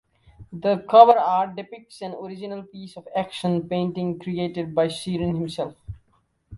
The cover art depicts an original piece of action painting created by Sheeran himself.